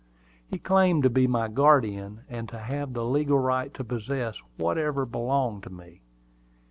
He claimed to be my guardian, and to have the legal right to possess whatever belonged to me.